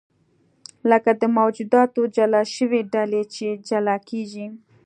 لکه د موجوداتو جلا شوې ډلې چې جلا کېږي.